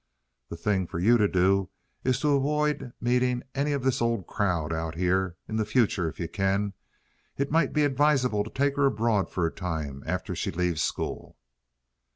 The thing for you to do is to avoid meeting any of this old crowd out here in the future if you can. It might be advisable to take her abroad for a time after she leaves school."